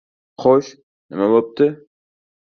Xo‘sh, nima bo‘pti?